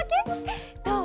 どう？